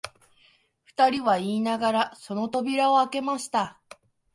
二人は言いながら、その扉をあけました